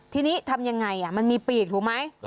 ทีนี้ทำยังไงมันมีปีกถูกไหม